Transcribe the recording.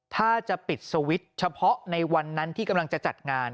ถ้าจะปิดสวิตช์เฉพาะในวันนั้นที่กำลังจะจัดงาน